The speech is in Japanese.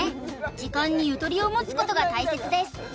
時間にゆとりを持つことが大切です